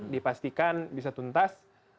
dipastikan bisa tuntas